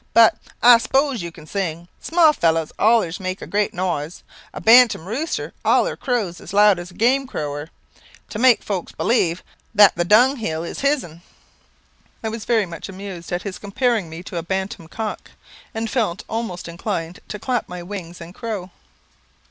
But I s'pose you can sing. Small fellows allers make a great noise. A bantam roaster allers crows as loud as an game crower, to make folks believe that the dung hill is his'n." I was very much amused at his comparing me to a bantam cock, and felt almost inclined to clap my wings and crow.